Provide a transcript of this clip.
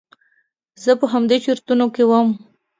زه په همدې چرتونو کې وم.